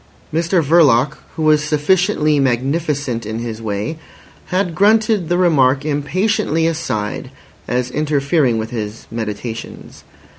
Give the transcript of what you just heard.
Mr Verloc, who was sufficiently magnificent in his way, had grunted the remark impatiently aside as interfering with his meditations.